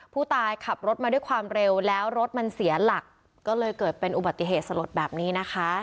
ผู้ตายขับรถมาด้วยความเร็วแล้วรถมันเสียหลักก็เลยเกิดเป็นอุบัติเหตุสลดแบบนี้นะคะ